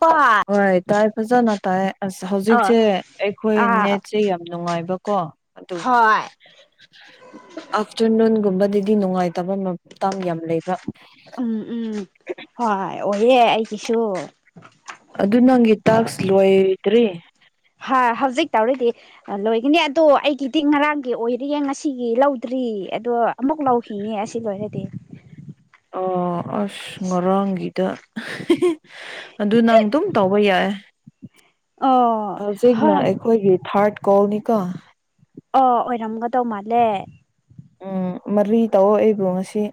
ꯍꯣꯏ ꯍꯣꯏ ꯇꯥꯏ ꯐꯖꯅ ꯇꯥꯏ ꯑꯁ ꯑ ꯍꯧꯖꯤꯛꯁꯦ ꯑꯩꯈꯣꯏ ꯑꯥ ꯅꯦꯠꯁꯦ ꯌꯥꯝ ꯅꯨꯡꯉ ꯑ ꯍꯣꯏ ꯑꯗꯨꯗꯤ ꯅꯨꯡꯉꯥꯏꯇꯕ ꯃ ꯌꯥꯝ ꯂꯩꯕ ꯎꯝ ꯎꯝ ꯍꯣꯏ ꯑꯣꯏꯌꯦꯦ ꯑꯩꯒꯤꯁꯨ ꯑꯗꯨ ꯅꯪꯒꯤ ꯇꯥꯛꯁ ꯂꯣꯏꯗ꯭ꯔꯤ ꯍꯥ ꯍꯧꯖꯤꯛ ꯇꯧꯔꯤꯗꯤ ꯂꯣꯏꯒꯅꯤ ꯑꯗꯣ ꯑꯩꯒꯤꯗꯤ ꯉꯔꯥꯡꯒꯤ ꯑꯣꯏꯔꯤꯌꯦ ꯉꯁꯤꯒꯤ ꯂꯧꯗ꯭ꯔꯤ ꯏ ꯑꯗꯣ ꯑꯃꯨꯛ ꯂꯧꯥꯎꯈꯤꯅꯦ ꯑꯁꯤ ꯂꯣꯏꯔꯗꯤ ꯑꯣ ꯑꯁ ꯉꯔꯥꯡꯒꯤꯗ ꯑꯗꯨ ꯅꯪ ꯑꯗꯨꯝ ꯇꯧꯕ ꯌꯥꯏ ꯑꯣ ꯍꯧꯖꯤꯛꯅ ꯍꯣꯏ ꯑꯩꯈꯣꯏꯒꯤ ꯊꯥꯔꯠ ꯀꯣꯜꯅꯤꯀ ꯑꯣ ꯑꯣꯏꯔꯝꯒꯗꯧ ꯃꯥꯜꯂꯦ ꯎꯝ ꯃꯔꯤ ꯇꯧꯑꯣ ꯑꯩꯕꯨ ꯉꯁꯤ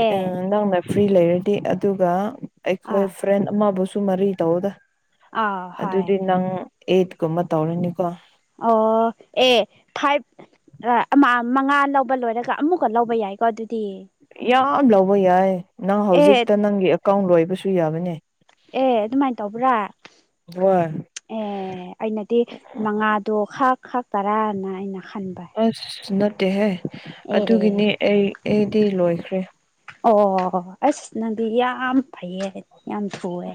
ꯑꯦ ꯑ ꯅꯪ ꯐ꯭ꯔꯤ ꯂꯩꯔꯗꯤ ꯑꯗꯨꯒ ꯑꯩꯈꯣꯏ ꯐ꯭ꯔꯦꯟ ꯑꯃꯕꯨꯁꯨ ꯃꯔꯤ ꯇꯧꯗ ꯑ ꯍ ꯑꯗꯨꯗꯤ ꯅꯪ ꯑꯩꯠꯀꯨꯝꯕ ꯇꯧꯔꯅꯤꯀꯣ ꯑꯣ ꯑꯦ ꯐꯥꯏꯚ ꯃꯉꯥ ꯂꯧꯕ ꯂꯣꯏꯔꯒ ꯑꯃꯨꯛꯀ ꯂꯧꯕ ꯌꯥꯏꯀꯣ ꯑꯗꯨꯗꯤ ꯌꯥꯝ ꯂꯧꯕ ꯌꯥꯏ ꯅꯪ ꯑꯦ ꯍꯧꯖꯤꯛꯇ ꯅꯪꯒꯤ ꯑꯦꯀꯥꯎꯟ ꯂꯣꯏꯕꯁꯨ ꯌꯥꯕꯅꯦ ꯑꯦ ꯑꯗꯨꯃꯥꯏꯅ ꯇꯧꯕ꯭ꯔꯥ ꯍꯣꯏ ꯑꯦ ꯑꯩꯅꯗꯤ ꯃꯉꯥꯗꯣ ꯈꯥ ꯈꯥ ꯇꯔꯥꯅ ꯑꯩꯅ ꯈꯟꯕ ꯑꯁ ꯅꯠꯇꯦꯍꯦ ꯑꯦ ꯑꯗꯨꯒꯤꯅꯤ ꯑꯩ ꯑꯩꯗꯤ ꯂꯣꯏꯈ꯭ꯔꯦ ꯑꯣ ꯑꯩꯅꯗꯤ ꯌꯥꯝ ꯐꯩꯌꯦ ꯌꯥꯝ ꯊꯨꯑꯦ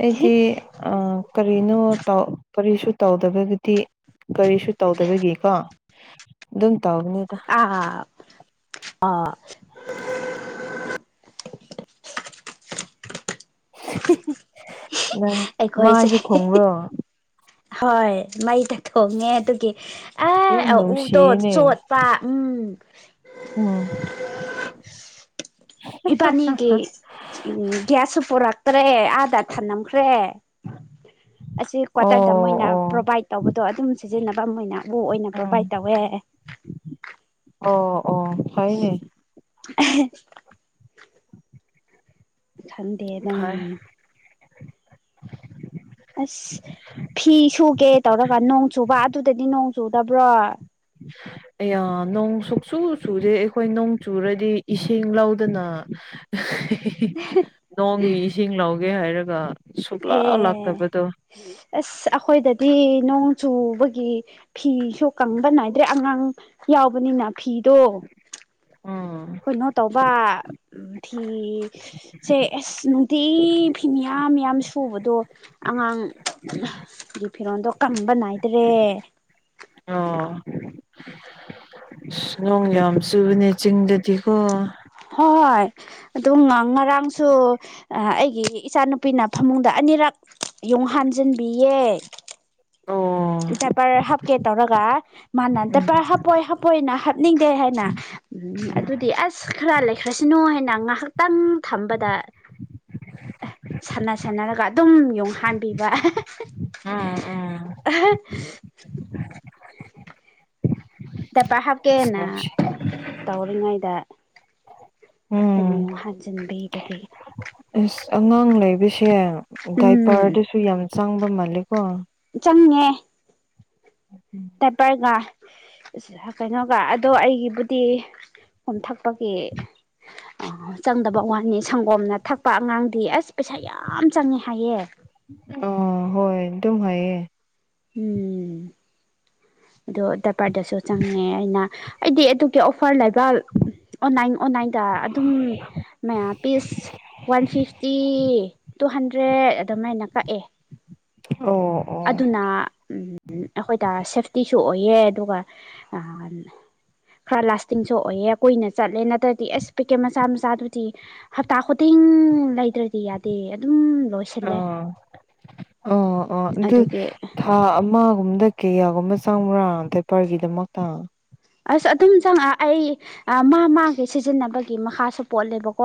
ꯑꯩꯗꯤ ꯑ ꯀꯔꯤꯅꯣ ꯀꯔꯤꯁꯨ ꯇꯧꯗꯕꯒꯤꯗꯤ ꯀꯔꯤꯁꯨ ꯇꯧꯗꯕꯒꯤꯀꯣ ꯑꯗꯨꯝ ꯇꯧꯒꯅꯤꯗ ꯑꯥ ꯅꯪ ꯃ ꯑꯩꯈꯣꯏꯁꯦ ꯑꯩꯗ ꯊꯣꯡꯕꯣ ꯍꯣꯏ ꯃꯥꯥꯏ ꯇ ꯊꯣꯡꯉꯦ ꯑꯗꯨꯒꯤ ꯌꯥꯝ ꯑꯦ ꯎꯗꯣ ꯅꯨꯡꯁꯤꯌꯦꯅꯦ ꯆꯣꯠꯄ ꯎꯝ ꯎꯝ ꯏꯕꯥꯅꯤꯒꯤ ꯎ ꯭ꯁꯄꯔꯛ ꯦ ꯑꯦ ꯑꯗꯥꯥ ꯊꯥꯟꯂꯝꯝꯈ꯭ꯔꯦ ꯑꯁꯤ ꯀ꯭ꯋꯥꯇꯔꯗ ꯑꯣ ꯃꯣꯏꯅ ꯑꯣ ꯄ꯭ꯔꯣꯕꯥꯏꯠ ꯇꯧꯕꯗꯣ ꯑꯗꯨꯝ ꯁꯤꯖꯤꯟꯅꯕ ꯑꯃ ꯑꯣꯏꯅ ꯎ ꯑꯣꯏꯅ ꯄ꯭ꯔꯣꯕꯥꯏꯗ ꯎꯝ ꯇꯧꯋꯦ ꯑꯦ ꯑꯣ ꯑꯣ ꯍꯥꯏꯅꯦ [inaudible] ꯈꯪꯗꯦ ꯑꯗꯨꯝ ꯐꯩ ꯑꯁ ꯐꯤ ꯁꯨꯒꯦ ꯇꯧꯔꯒ ꯅꯣꯡ ꯆꯨꯕ ꯑꯗꯨꯗꯗꯤ ꯅꯣꯡ ꯆꯨꯗꯕ꯭ꯔꯣ ꯑ ꯅꯣꯡ ꯁꯣꯛꯆꯨ ꯆꯨꯁꯦ ꯑꯩꯈꯣꯏ ꯅꯣꯡ ꯆꯨꯔꯗꯤ ꯏꯁꯤꯡ ꯂꯧꯗꯅ ꯅꯣꯡꯒꯤ ꯏꯁꯤꯡ ꯂꯧꯒꯦ ꯍꯥꯏꯔꯒ ꯁꯨꯛꯂꯥꯛ ꯑꯦ ꯂꯥꯛꯇꯕꯗꯣ ꯑꯁ ꯑꯩꯈꯣꯏꯗꯗꯤ ꯅꯣꯡ ꯆꯨꯕꯒꯤ ꯒꯤ ꯐꯤꯁꯨ ꯀꯪꯕ ꯅꯥꯏꯗ꯭ꯔꯦ ꯑꯉꯥꯡ ꯌꯥꯎꯕꯅꯤꯅ ꯐꯤꯗꯣ ꯎꯝ ꯎꯝ ꯐꯤ ꯁꯦ ꯑꯁ ꯅꯨꯡꯇꯤ ꯐꯤꯌꯥꯝ ꯌꯥꯝ ꯁꯨꯕꯗꯣ ꯑꯉꯥꯡꯒꯤ ꯐꯤꯔꯣꯟꯜꯗꯣ ꯀꯝꯕ ꯅꯥꯏꯗ꯭ꯔꯦ ꯑꯣ ꯅꯣꯡ ꯂꯝꯁꯨꯕꯅꯤ ꯆꯤꯡꯗꯗꯤꯀꯣ ꯍꯣꯏ ꯍꯣꯏ ꯑꯗꯨ ꯉꯔꯥꯡꯁꯨ ꯑꯩꯒꯤ ꯏꯆꯥꯅꯨꯄꯤꯅ ꯐꯃꯨꯡꯗ ꯑꯅꯤꯔꯛ ꯌꯣꯡ ꯍꯥꯟꯖꯟꯕꯤꯌꯦꯦ ꯑꯣ ꯗꯦꯄꯔ ꯍꯥꯞꯀꯦ ꯇꯧꯔꯒ ꯃꯥꯅ ꯎꯝ ꯗꯦꯄꯔ ꯍꯥꯞꯄꯣꯏ ꯍꯥꯞꯄꯣꯏꯅ ꯍꯥꯞꯅꯤꯡꯗꯦ ꯍꯥꯏꯅ ꯎꯝ ꯑꯗꯨꯗꯤ ꯑꯁ ꯈꯔ ꯂꯩꯈ꯭ꯔꯁꯤꯅꯨ ꯍꯥꯏꯅ ꯉꯥꯏꯍꯥꯛꯇꯪ ꯊꯝꯕꯗ ꯁꯥꯟꯅ ꯁꯅꯔꯒ ꯑꯗꯨꯝ ꯌꯣꯡꯍꯟꯕꯤꯕ ꯎꯝ ꯎꯝ [inaudible] ꯗꯄꯥ ꯍꯥꯞꯀꯦꯅ ꯇꯧꯔꯤꯉꯩꯗ ꯎꯝ ꯇꯝꯌꯣ ꯍꯥꯖꯤꯟꯕꯤꯕ ꯑꯁ ꯑꯉꯥꯡ ꯂꯩꯕꯁꯦ ꯗꯥꯏꯄꯔꯗꯁꯨ ꯌꯥꯝ ꯆꯪꯕ ꯃꯥꯜꯂꯦꯀꯣ ꯆꯟꯅꯉꯦ ꯇꯄꯥꯔꯒꯥ ꯀꯩꯅꯣꯒ ꯑꯗꯣ ꯑꯩꯒꯤꯕꯨꯗꯤ ꯀꯣꯝꯊꯛꯄꯒꯤ ꯑ ꯆꯪꯗꯕ ꯋꯥꯅꯤ ꯁꯪꯒꯣꯝꯅ ꯊꯛꯄ ꯑꯉꯥꯡꯗꯤ ꯑꯁ ꯄꯩꯁꯥ ꯌꯥꯝ ꯆꯪꯉꯦ ꯍꯥꯏꯌꯦ ꯑ ꯍꯣꯏ ꯑꯗꯨꯝ ꯍꯥꯏꯌꯦ ꯎꯝ ꯑꯗ ꯗꯔꯄꯔꯗꯁꯨ ꯆꯪꯉꯦ ꯑꯩꯅ ꯑꯩꯗꯤ ꯑꯗꯨꯒꯤ ꯑꯣꯐꯔ ꯂꯩꯕ ꯑꯣꯟꯂꯥꯏꯟ ꯑꯣꯟꯂꯥꯏꯟꯗ ꯑꯗꯨꯝ ꯃ piece one fifty two hundred ꯑꯗꯨꯃꯥꯏꯅ ꯀꯛꯑꯦ ꯑꯣ ꯑꯣ ꯑꯗꯨꯅ ꯑꯩꯈꯣꯏ ꯇꯔ ꯁꯦꯐꯇꯤ ꯇꯣꯛꯑꯣꯌꯦꯦ ꯑꯗꯨꯒ ꯑ ꯈꯔ ꯂꯥꯁꯇꯤꯡꯁꯨ ꯑꯣꯏꯑꯦ ꯀꯨꯏꯅ ꯆꯠꯂꯦ ꯅꯠꯇ꯭ꯔꯗꯤ ꯑꯁ ꯄꯦꯀꯦꯠ ꯃꯆꯥ ꯃꯆꯥꯗꯨꯗꯤ ꯍꯞꯇꯥ ꯈꯨꯗꯤꯡ ꯎꯝ ꯂꯩꯗ꯭ꯔꯗꯤ ꯌꯥꯗꯦ ꯑꯗꯨꯝ ꯂꯣꯏꯁꯤꯜꯂꯦ ꯑꯣ ꯑꯣ ꯑꯣ ꯑꯗꯨ ꯑꯗꯨꯒꯤ ꯊꯥ ꯑꯃꯒꯨꯝꯕꯗ ꯀꯌꯥꯒꯨꯝꯕ ꯆꯪꯕ꯭ꯔꯥ ꯗꯦꯄꯔꯒꯤꯗꯃꯛꯇ ꯑꯁ ꯑꯗꯨꯝ ꯆꯪꯉꯛ ꯑꯩ ꯃꯥ ꯃꯥꯒꯦ ꯁꯤꯖꯤꯟꯅꯕꯒꯤ ꯃꯈꯥꯁꯨ ꯄꯣꯠꯂꯦꯕꯀꯣ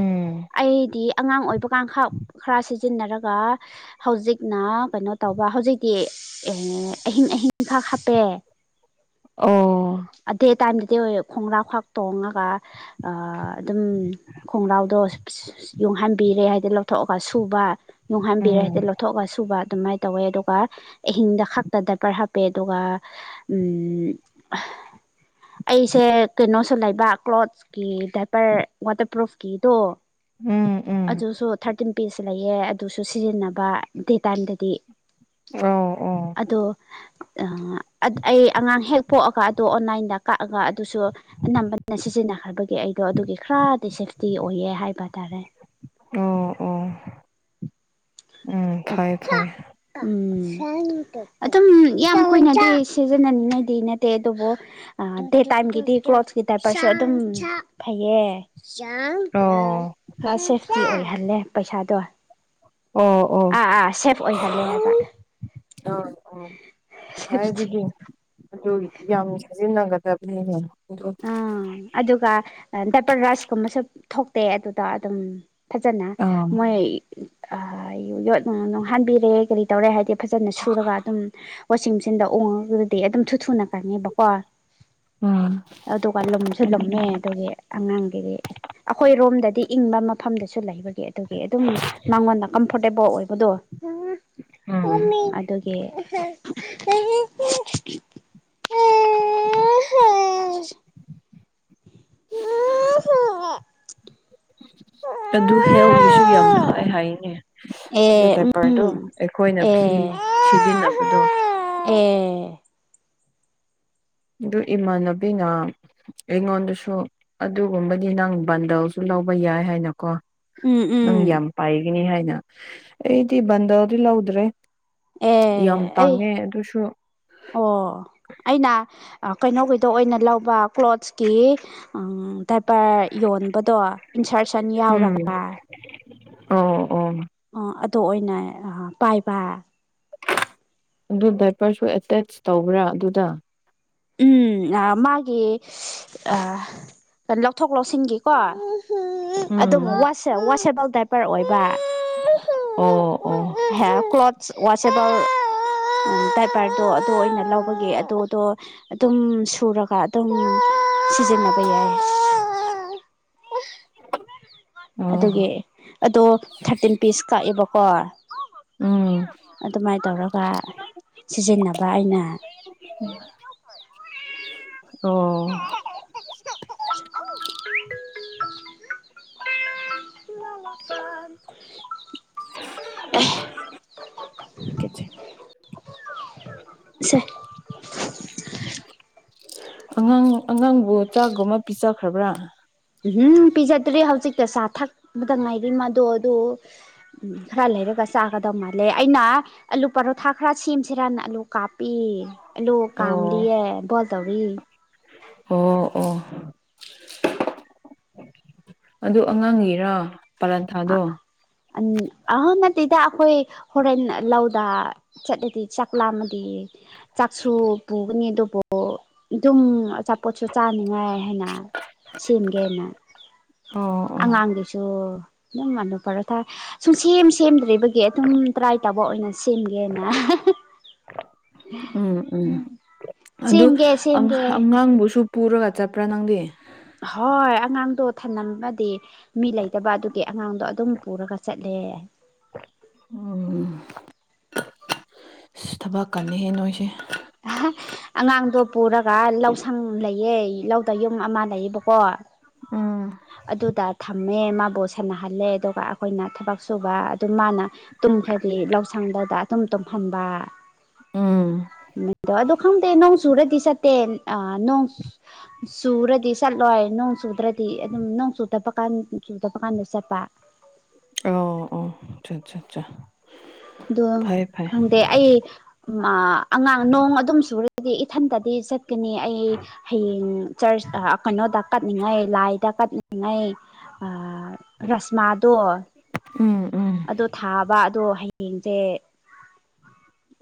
ꯎꯝ ꯑꯩꯗꯤ ꯑꯉꯥꯡ ꯑꯣꯏꯕ ꯀꯥꯡꯈꯥ ꯈꯔ ꯍꯥꯆꯤꯟꯅꯔꯒ ꯍꯧꯖꯤꯛꯅ ꯀꯩꯅꯣ ꯇꯧꯕ ꯍꯧꯖꯤꯛꯇꯤ ꯑꯍꯤꯡ ꯑꯍꯤꯡ ꯈ ꯍꯥꯄꯦ ꯑꯣ ꯑꯙꯦ ꯇꯥꯏꯝ ꯑꯇꯩ ꯑꯣꯏ ꯈꯣꯡꯒ꯭ꯔꯥꯎ ꯈꯥꯛ ꯇꯣꯡꯉꯒ ꯑꯗꯨꯝ ꯈꯣꯡꯒ꯭ꯔꯥꯎꯗꯣ ꯅꯨꯡ ꯍꯥꯟꯕꯤꯔꯦ ꯍꯥꯏꯗꯤ ꯂꯧꯊꯣꯛꯑꯒ ꯁꯨꯕ ꯅꯨꯡ ꯍꯥꯟꯕꯤꯔꯦ ꯎꯝ ꯍꯥꯏꯗꯤ ꯂꯧꯊꯣꯛꯑꯒ ꯁꯨꯕ ꯑꯗꯨꯃꯥꯏꯅ ꯇꯧꯋꯦ ꯑꯗꯨꯒ ꯑꯍꯤꯡꯗ ꯈꯛꯇꯗ ꯄꯔ ꯍꯥꯞꯄꯦ ꯑꯗꯨꯒ [inaudible] ꯑꯩꯁꯦ ꯀꯩꯅꯣꯁꯨ ꯂꯩꯕ ꯀ꯭ꯂꯣꯠꯁꯀꯤ ꯗꯥꯏꯄꯔ ꯋꯥꯇꯔꯄ꯭ꯔꯨꯐꯀꯤꯗꯣ ꯎꯝ ꯎꯝ ꯑꯗꯨꯁꯨ ꯊꯥꯔꯇꯤꯟ ꯄꯤꯁ ꯂꯩꯑ ꯑꯗꯨꯁꯨ ꯁꯤꯖꯤꯟꯅꯕ ꯗꯦ ꯇꯥꯏꯝꯗꯗꯤ ꯑꯣ ꯑꯣ ꯑꯗꯣ ꯑꯩ ꯑꯉꯥꯡ ꯍꯦꯛ ꯄꯣꯛꯑꯒ ꯑꯗꯨꯗ ꯑꯣꯟꯂꯥꯏꯟꯗ ꯀꯛꯑꯒ ꯑꯗꯨꯁꯨ ꯑꯅꯝꯕꯅ ꯁꯤꯖꯤꯟꯅꯈ꯭ꯔꯕꯒꯤ ꯑꯩꯗꯣ ꯑꯗꯨꯒꯤ ꯈꯔꯗꯤ ꯁꯦꯝ ꯤ ꯑꯣꯏꯌꯦꯦ ꯍꯥꯏꯕ ꯇꯥꯔꯦ ꯑꯣ ꯑꯣ ꯎꯝ ꯑ ꯐꯩ ꯐꯩ ꯎꯝ ꯑꯗꯨꯝ ꯌꯥꯝ ꯀꯅꯗꯤ ꯁꯤꯖꯤꯟꯅꯅꯤꯡꯉꯥꯏꯗꯤ ꯅꯠꯇꯦ ꯑꯗꯨꯕꯨ ꯇꯥꯏꯝꯒꯤꯗꯤ ꯀ꯭ꯂꯣꯊꯀꯤ ꯇꯥꯏꯞꯄꯁꯨ ꯑꯗꯨꯝ ꯐꯩꯌꯦ ꯑꯣ ꯁꯦꯐꯇꯤ ꯑꯣꯏꯍꯜꯂꯦ ꯄꯩꯁꯥꯗꯣ ꯑꯣ ꯑꯣ ꯑꯥ ꯑꯥ ꯁꯦꯐ ꯑꯣꯏꯍꯜꯂꯦ ꯍꯥꯏꯕ ꯑꯥ ꯑꯥ ꯐꯩ ꯑꯗꯨꯗꯤ ꯑꯗꯨ ꯌꯥꯝ ꯁꯤꯖꯤꯟꯅꯒꯗꯕꯅꯤꯅꯦ ꯑꯗꯨ ꯑꯥ ꯑꯗꯨꯒ ꯗꯄꯔ ꯔꯁꯀꯨꯝꯕꯁꯨ ꯊꯣꯛꯇꯦ ꯑꯗꯨꯗ ꯑꯗꯨꯝ ꯐꯖꯅ ꯑꯥ ꯃꯣꯏꯣ ꯅꯣꯡꯍꯟꯕꯤꯔꯦ ꯀꯔꯤ ꯇꯧꯔꯦ ꯍꯥꯏꯗꯤ ꯐꯖꯅ ꯁꯨꯔꯒ ꯑꯗꯨꯝ ꯋꯥꯁꯤꯡ ꯃꯦꯆꯤꯟꯗ ꯎꯡꯉꯒꯗꯤ ꯑꯗꯨꯝꯁꯨ ꯊꯨꯅ ꯀꯪꯉꯦꯕꯀꯣ ꯎꯝ ꯑꯗꯨꯒ ꯂꯨꯝꯁꯨꯂꯝꯨꯝꯃꯦ ꯑꯗꯨꯒꯤ ꯑꯉꯥꯡꯒꯤꯗꯤ ꯑꯩꯈꯣꯏ ꯔꯣꯝꯗꯗꯤ ꯏꯪꯕ ꯃꯐꯝꯗꯁꯨ ꯂꯩꯕꯒꯤ ꯑꯗꯨꯒꯤ ꯑꯗꯨꯝ ꯃꯉꯣꯟꯗ ꯀꯝꯐ ꯐꯐꯣꯔꯇꯦꯕꯜ ꯑꯣꯏꯕꯗꯣ ꯎꯝ ꯑꯗꯨꯒꯤ ꯎꯝ ꯈꯁ ꯑ ꯍ ꯑꯗꯨ ꯍꯦꯜꯒꯤꯁꯨ ꯌꯥꯝ ꯐꯩ ꯍꯥꯏꯉ ꯑꯗꯨ ꯇꯥꯏꯄꯔꯗꯣ ꯑꯩꯈꯣꯏꯅ ꯑꯦ ꯐꯤ ꯁꯤꯖꯤꯟꯅꯕꯗꯣ ꯑꯦ ꯑꯗꯨ ꯏꯃꯥꯟꯅꯕꯤꯅ ꯑꯩꯉꯣꯟꯗꯁꯨ ꯑꯗꯨꯒꯨꯝꯕꯗꯤ ꯅꯪ ꯕꯟꯗꯜꯁꯨ ꯂꯧꯕ ꯌꯥꯏ ꯍꯥꯏꯅꯀꯣ ꯎꯝ ꯎꯝ ꯅꯤ ꯍꯥꯏꯅ ꯑꯩꯗꯤ ꯕꯟꯗꯗꯤ ꯂꯧꯗ꯭ꯔꯦ ꯑꯦ ꯌꯥꯝ ꯑꯩ ꯇꯥꯡꯉꯦ ꯑꯗꯨꯁꯨ ꯑꯣ ꯑꯩꯅ ꯀꯩꯅꯣꯒꯤꯩꯗ ꯑꯣꯏꯅ ꯂꯧꯕ ꯀ꯭ꯂꯣꯠꯁꯀꯤ ꯇꯥꯏꯄꯔ ꯌꯣꯟꯕꯗꯣ ꯏꯟꯁꯔꯁꯟ ꯎꯝ ꯌꯥꯎꯔꯒ ꯑꯣ ꯑꯣ ꯑ ꯑꯗꯨ ꯑꯣꯏꯅ ꯑ ꯄꯥꯏꯕ ꯑꯗꯨ ꯗꯥꯏꯄꯔꯁꯨ ꯑꯦꯇꯦꯆ ꯇꯧꯕ꯭ꯔꯥ ꯑꯗꯨꯗ ꯎꯝ ꯃꯥꯒꯤ ꯂꯧꯊꯣꯛ ꯂꯧꯁꯤꯟꯒꯤꯀꯣ ꯑꯗꯨꯝ ꯎꯝ ꯋꯥꯁꯦꯕꯜ ꯗꯥꯏꯄꯔ ꯑꯣꯏꯕ ꯑꯣ ꯑꯣ ꯍꯦ ꯀ꯭ꯂꯣꯊꯁ ꯋꯥꯁꯤꯦꯕꯜ ꯏꯚꯔꯗꯣ ꯑꯗꯨ ꯑꯣꯏꯅ ꯂꯧꯕꯒꯤ ꯑꯗꯨꯗꯣ ꯑꯗꯨꯝ ꯁꯨꯔꯒ ꯑꯗꯨꯝ ꯁꯤꯖꯤꯟꯅꯟꯅꯕ ꯌꯥ ꯑꯣ ꯑꯗꯨꯒꯤ ꯑꯗꯣ ꯊꯥꯔꯇꯤꯟ ꯄꯤꯁ ꯀꯛꯑꯦꯕꯀꯣ ꯎꯝ ꯑꯗꯨꯃꯥꯏꯅ ꯇꯧꯔꯒ ꯁꯤꯖꯤꯟꯅꯕ ꯑꯩꯅ ꯑꯣ ꯁꯥꯟ [inaudible] ꯁꯦ ꯑꯉꯥꯡ ꯑꯉꯥꯡꯕꯨ ꯆꯥꯒꯨꯝꯕ ꯄꯤꯖꯈ꯭ꯔꯕ꯭ꯔꯥ ꯎꯝ ꯄꯤꯖꯗ꯭ꯔꯦ ꯍꯧꯖꯤꯛꯇ ꯆꯥ ꯊꯛꯄꯗ ꯉꯥꯏꯔꯤ ꯃꯗꯣ ꯑꯗꯨ ꯎꯝ ꯈꯔ ꯂꯩꯔꯒ ꯆꯥꯒꯗꯧ ꯃꯥꯜꯂꯦ ꯑꯩꯅ ꯑꯂꯨ ꯄꯔꯣꯊꯥ ꯈꯔ ꯁꯦꯝꯁꯤꯔ ꯑꯂꯨ ꯀꯥꯞ ꯄꯦ ꯑꯂꯨ ꯑꯣ ꯀꯝꯂꯤꯌꯦ ꯕꯣꯜ ꯇꯧꯔꯤ ꯑꯣ ꯑꯣ ꯑꯗꯨ ꯑꯉꯥꯡꯉꯤꯔꯥ ꯄꯥꯔꯊꯗꯣ ꯑꯍ ꯅꯠꯇꯦꯗ ꯑꯩꯈꯣꯏ ꯍꯣꯔꯦꯟ ꯂꯧꯗ ꯆꯠꯂꯗꯤ ꯆꯥꯛ ꯂꯥꯝꯃꯗꯤ ꯆꯥꯛꯁꯨ ꯄꯨꯒꯅꯤ ꯑꯗꯨꯕꯨ ꯑꯗꯨꯝ ꯑꯆꯥꯄꯣꯠꯁꯨ ꯆꯥꯅꯤꯡꯉꯥꯏ ꯍꯥꯏꯅ ꯁꯦꯝꯒꯦꯅ ꯑꯣ ꯑꯣ ꯑꯉꯥꯡꯒꯤꯁꯨ ꯑꯗꯨꯝ ꯑꯂꯨ ꯄꯔꯣꯊꯥ ꯁꯨꯝ ꯁꯦꯝ ꯁꯦꯝꯗ꯭ꯔꯤꯕꯒꯤ ꯑꯗꯨꯝ ꯇ꯭ꯔꯥꯏ ꯇꯧꯕ ꯑꯣꯏꯅ ꯁꯤꯝꯒꯦꯅ ꯎꯝ ꯎꯝ ꯑꯗꯨ ꯁꯦꯝꯒꯦ ꯁꯦꯝꯒꯦ ꯑꯉꯥꯡꯕꯨꯁꯨ ꯄꯨꯔꯒ ꯆꯠꯄꯔꯥ ꯅꯪꯗꯤ ꯍꯣꯏ ꯑꯉꯥꯡꯗꯣ ꯊꯃꯗꯤ ꯃꯤ ꯂꯩꯇꯕ ꯑꯗꯨꯒꯤ ꯑꯉꯥꯡꯗꯣ ꯑꯗꯨꯝ ꯄꯨꯔꯒ ꯆꯠꯂꯦ [inaudible] ꯎꯝ ꯊꯕꯛ ꯀꯅꯤꯍꯦ ꯅꯣꯏꯁꯦ ꯑꯉꯥꯡꯗꯣ ꯄꯨꯔꯒ ꯂꯧꯁꯪ ꯂꯩꯌꯦ ꯂꯧꯗ ꯌꯨꯝ ꯑꯃ ꯂꯩꯌꯦꯕꯀꯣ ꯎꯝ ꯑꯗꯨꯗ ꯊꯝꯃꯦ ꯃꯥꯕꯨ ꯁꯥꯟꯅꯍꯜꯂꯦ ꯑꯗꯨꯒ ꯑꯩꯈꯣꯏꯅ ꯊꯕꯛ ꯁꯨꯕ ꯑꯗꯨꯝ ꯃꯥꯅ ꯇꯨꯝ ꯈꯔꯗꯤ ꯂꯧꯁꯪꯗꯗ ꯇꯨꯝ ꯇꯨꯝꯍꯟꯕ ꯎꯝ ꯑꯗꯨ ꯈꯪꯗꯦ ꯅꯧ ꯆꯨꯔꯗꯤ ꯆꯠꯇꯦ ꯅꯣꯡ ꯆꯨꯔꯗꯤ ꯆꯠꯂꯣꯏ ꯅꯣꯡ ꯆꯨꯗ꯭ꯔꯗꯤ ꯅꯣꯡ ꯆꯨꯇꯄꯀꯥꯟ ꯆꯨ ꯇꯞꯄ ꯀꯥꯟꯗ ꯆꯠꯄ ꯑꯣ ꯑꯣ ꯑ ꯑꯆꯥ ꯑꯆꯥ ꯆꯥ ꯑꯗꯣ ꯈꯪꯗꯦ ꯑꯩ ꯑꯉꯥꯡ ꯅꯣꯡ ꯑꯗꯨꯝ ꯆꯨꯔꯒꯗꯤ ꯏꯊꯟꯇꯗꯤ ꯆꯠꯀꯅꯤ ꯑꯩ ꯍꯌꯦꯡ ꯆꯔꯆ ꯀꯩꯅꯣꯗ ꯀꯠꯅꯤꯡꯉꯥꯏ ꯂꯥꯏꯗ ꯀꯠꯅꯤꯡꯉꯥꯏ ꯔꯁꯃꯥꯗꯣ ꯎꯝ ꯎꯝ ꯑꯗꯣ ꯊꯥꯕ ꯑꯗꯣ ꯌꯦꯡꯖꯦ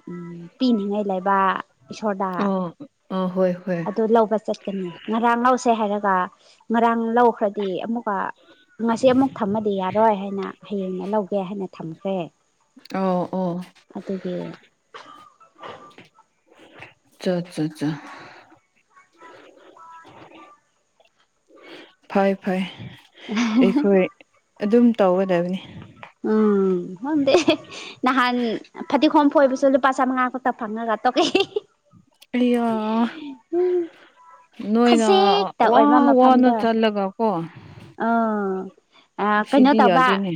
ꯎꯝ ꯄꯤꯅꯤꯡꯉꯥꯏ ꯂꯩꯕꯥ ꯏꯁꯣꯔꯗ ꯑꯣ ꯑ ꯍꯣꯏ ꯍꯣꯏ ꯑꯗꯨ ꯂꯧꯕ ꯆꯠꯀꯅꯤ ꯉꯔꯥꯡ ꯂꯧꯁꯦ ꯍꯥꯏꯔꯒ ꯉꯔꯥꯡ ꯂꯧꯈ꯭ꯔꯗꯤ ꯑꯃꯨꯛꯀ ꯉꯁꯤ ꯑꯃꯨꯛ ꯊꯝꯃꯗꯤ ꯌꯥꯔꯣꯏ ꯍꯥꯏꯅ ꯍꯌꯦꯡꯅ ꯂꯧꯒꯦ ꯍꯥꯏꯅ ꯊꯝꯈ꯭ꯔꯦ ꯑꯣ ꯑꯣ ꯑꯗꯨꯒꯤ ꯑꯆꯥ ꯑꯠꯆꯥ ꯑꯆꯥꯆꯥ ꯐꯩ ꯐꯩ ꯑꯩꯈꯣꯏ [inaudible] ꯑꯗꯨꯝ ꯇꯧꯒꯗꯕꯅꯤ ꯎꯝ ꯈꯪꯗꯦ ꯅꯍꯥꯟ ꯐꯗꯤꯒꯣꯝ ꯐꯣꯏꯕꯁꯨ ꯂꯨꯄꯥ ꯆꯥꯝꯃꯉꯥ ꯈꯛꯇ ꯐꯪꯉꯒ ꯇꯣꯛꯑꯦ ꯑꯩꯌꯥ ꯎꯝ ꯅꯣꯏꯅ ꯈꯖꯤꯛꯇ ꯋꯥ ꯋꯥꯅ ꯆꯜꯂꯒ ꯀꯣ ꯑꯣ ꯀꯩꯅꯣ ꯁꯤꯗꯤ ꯇꯧꯕ ꯌꯥꯗꯦꯅꯦ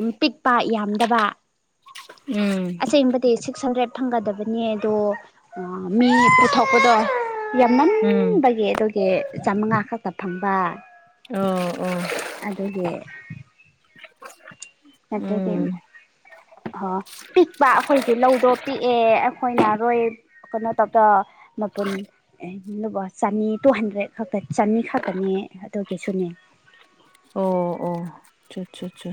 ꯎꯝ ꯄꯤꯛꯄ ꯌꯥ ꯗꯕ ꯎꯝ ꯑꯁꯦꯡꯕꯗꯤ ꯁꯤꯛꯁ ꯍꯟꯗ꯭ꯔꯦꯠ ꯐꯪꯒꯗꯕꯅꯤ ꯑꯗꯣ ꯃꯤ ꯄꯨꯊꯣꯛꯄꯗꯣ ꯎꯝ ꯌꯥꯝꯃꯟꯕꯒꯤ ꯑꯗꯨꯒꯤ ꯆꯥꯝꯃꯉꯥ ꯈꯛꯇ ꯐꯪꯕ ꯑꯣ ꯑꯣ ꯑꯗꯨꯒꯤ ꯑꯗꯨꯗꯤ ꯎꯝ ꯑꯣ ꯄꯤꯛꯄ ꯑꯩꯈꯣꯏꯒꯤ ꯂꯧꯗꯣ ꯄꯤꯛꯑꯦ ꯑꯩꯈꯣꯏꯅ ꯍꯣꯏ ꯀꯩꯅꯣ ꯇꯧꯗ ꯃꯄꯨꯟ ꯆꯅꯤ ꯇꯨ ꯍꯟꯗ꯭ꯔꯦꯠ ꯈꯛꯇꯅꯤ ꯆꯅꯤ ꯈꯛꯇꯅꯦ ꯑꯗꯨ ꯀꯩꯁꯨꯅꯦ ꯑꯣ ꯑꯣ ꯑꯆꯥ ꯑꯠꯆꯥꯆꯥ ꯑꯆꯥ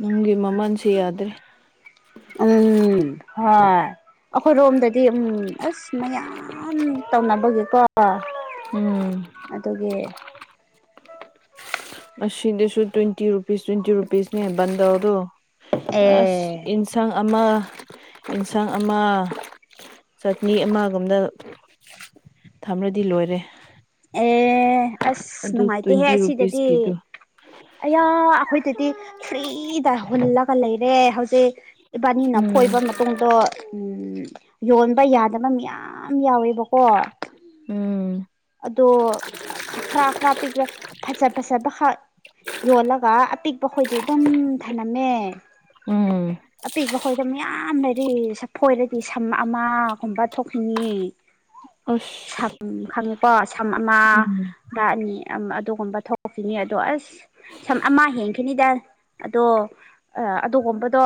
ꯅꯪꯒꯤ ꯃꯃꯟꯁꯤ ꯌꯥꯗ꯭ꯔꯦ ꯎꯝ ꯍꯣꯏ ꯑꯩꯈꯣꯏꯔꯣꯝꯗꯗꯤ ꯎꯝ ꯑꯁ ꯃꯌꯥꯝ ꯇꯧꯅꯕꯒꯤꯀꯣ ꯎꯝ ꯑꯗꯨꯒꯤ ꯑꯁꯤꯗꯁꯨ ꯇ꯭ꯋꯦꯟꯇꯤ ꯔꯨꯄꯤꯁ ꯇ꯭ꯋꯦꯟꯇꯤ ꯔꯨꯄꯤꯁꯅꯤ ꯍꯥꯏꯕꯟꯗꯧꯔꯣ ꯑꯁ ꯑꯦ ꯏꯟꯁꯥꯡ ꯑꯃ ꯑꯦꯟꯁꯥꯡ ꯑꯃ ꯆꯠꯅꯤ ꯑꯃꯒꯨꯝꯅ ꯊꯝꯂꯗꯤ ꯂꯣꯏꯔꯦ ꯑꯦ ꯑꯁ ꯑꯗꯨ ꯅꯨꯡꯉꯥꯏꯇꯦꯍꯦ ꯇ꯭ꯋꯦꯟꯇꯤ ꯑꯁꯤꯗꯗꯤ ꯔꯨꯄꯤꯁꯀꯤꯗꯨ ꯑꯌꯥ ꯑꯩꯈꯣꯏꯗꯗꯤ ꯐ꯭ꯔꯤꯗ ꯍꯨꯜꯂꯒ ꯂꯩꯔꯦ ꯍꯧꯖꯤꯛ ꯏꯕꯥꯅꯤꯅ ꯎꯝ ꯐꯣꯏꯕ ꯃꯇꯨꯡꯗꯣ ꯎꯝ ꯌꯣꯟꯕ ꯌꯥꯗꯕ ꯃꯌꯥꯝ ꯌꯥꯎꯋꯦꯕꯀꯣ ꯎꯝ ꯑꯗꯣ ꯈꯔ ꯈꯔ ꯄꯤꯛ ꯐꯖ ꯐꯖꯠꯕ ꯌꯣꯜꯂꯒ ꯑꯄꯤꯛꯄ ꯑꯩꯈꯣꯏꯗꯤ ꯑꯗꯨꯝ ꯊꯂꯝꯝꯃꯦ ꯑꯝ ꯑꯄꯤꯛꯄ ꯈꯣꯏꯗ ꯃꯌꯥꯝ ꯂꯩꯔꯤ ꯍꯣꯏꯔꯗꯤ ꯁꯝ ꯑꯃꯒꯨꯝꯕ ꯊꯣꯛꯈꯤꯏ [unintelligible] ꯑꯁ ꯀꯣ ꯁꯝ ꯑꯃ ꯎꯝ ꯑꯅꯤ ꯑꯗꯨꯒꯨꯝꯕ ꯊꯣꯛꯈꯤꯅꯤ ꯑꯗꯣ ꯑꯁ ꯁꯝ ꯑꯃ ꯍꯦꯟꯈꯤꯅꯤꯗ ꯑꯗꯣ ꯑꯗꯨꯒꯨꯝꯕꯗꯣ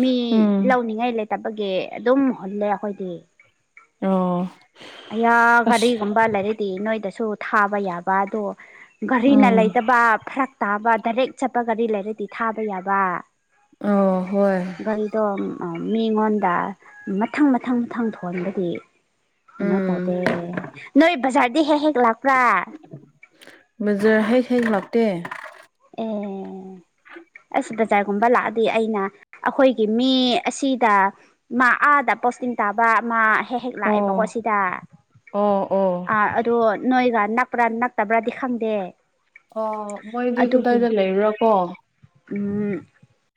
ꯃꯤ ꯎꯝ ꯂꯧꯅꯤꯡꯉꯥꯏ ꯂꯩꯇꯕꯒꯤ ꯑꯗꯨꯝ ꯍꯨꯜꯂꯦ ꯑꯩꯈꯣꯏꯗꯤ ꯑꯣ ꯑ ꯑꯁ ꯒꯥꯔꯤꯒꯨꯝꯕ ꯂꯩꯔꯤ ꯅꯣꯏꯗꯁꯨ ꯊꯥꯕ ꯌꯥꯕ ꯑꯗꯣ ꯒꯥꯔꯤꯅ ꯎꯝ ꯂꯩꯇꯕ ꯐꯔꯛ ꯇꯥꯕ ꯗꯥꯏꯔꯦꯛ ꯆꯠꯄ ꯒꯥꯔꯤ ꯂꯩꯔꯗꯤ ꯊꯥꯕ ꯌꯥꯕ ꯑ ꯒꯥꯔꯤꯗꫭ ꯑ ꯃꯤꯉꯣꯟꯗ ꯃꯊꯪ ꯃꯊꯪ ꯃꯊꯪ ꯊꯣꯟꯕꯗꯤ ꯀꯩꯅꯣ ꯎꯝ ꯇꯧꯗꯦ ꯅꯣꯏ ꯕꯖꯥꫪꯗꯤ ꯍꯦꯛ ꯍꯦꯛ ꯂꯥꯛꯄ꯭ꯔ ꯕꯖꯥꫪ ꯍꯦꯛ ꯍꯦꯛ ꯂꯥꯛꯇꯦ ꯑꯦ [inaudible] ꯑꯁ ꯕꯖꯥꫪꯒꯨꯝꯕ ꯂꯥꯛꯑꯗꯤ ꯑꯩꯅ ꯑꯩꯈꯣꯏꯒꯤ ꯃꯤ ꯑꯁꯤꯗ ꯃꯥ ꯑꯥꯗ ꯄꯣꯁꯇꯤꯡ ꯇꯥꯕ ꯃꯥ ꯍꯦꯛ ꯍꯦꯛ ꯂꯥꯛꯑꯦꯕꯀꯣ ꯑꯣ ꯁꯤꯗ ꯑꯣ ꯑꯣ ꯑꯥ ꯑꯗꯣ ꯅꯣꯏꯒ ꯅꯛꯄ꯭ꯔ ꯅꯛꯇꯕ꯭ꯔꯗꯤ ꯈꯪꯗꯦ ꯑꫭ ꯃꯣꯏꯗꯤ ꯑꯗꯨꯒꯤ ꯀꯗꯥꯏꯗ ꯂꯩꯔꯕꫭ ꯎꯝ